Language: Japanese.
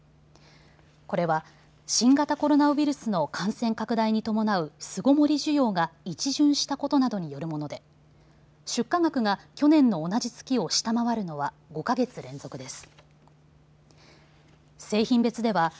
これは新型コロナウイルスの感染拡大に伴う巣ごもり需要が一巡したことなどによるもので出荷額が去年の同じ月を下回るのは５か月連続です。